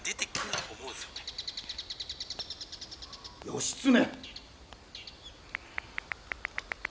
義経！